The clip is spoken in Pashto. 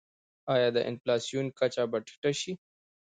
آیا د انفلاسیون کچه به ټیټه شي؟